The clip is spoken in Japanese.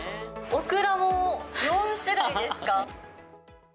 オクラも４種類ですか。